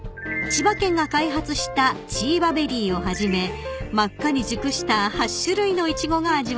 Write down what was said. ［千葉県が開発したチーバベリーをはじめ真っ赤に熟した］